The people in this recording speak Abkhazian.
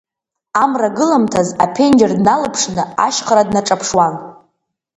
Амра агыламҭаз аԥенџьыр дналыԥшны ашьхара днаҿаԥшуан.